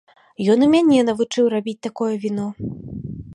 Ён і мяне навучыў рабіць такое віно.